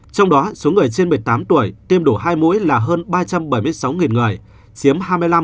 trong đó số người trên một mươi tám tuổi tiêm đủ hai mũi là hơn ba trăm bảy mươi sáu người chiếm hai mươi năm